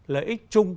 lợi ích chung